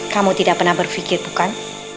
kamu tidak pernah berpikir bukan